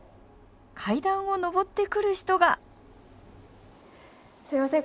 階段を上ってくる人がすみません